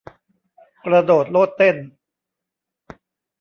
กระโดดโลดเต้น